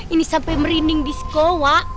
ini sampai merinding di sekolah